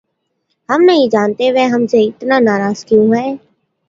हम नहीं जानते वह हमसे इतने नाराज़ क्यूँ हैं.